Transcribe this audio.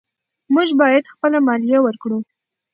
موږ باید خپله مالیه ورکړو.